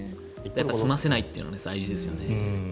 住ませないというのが大事ですよね。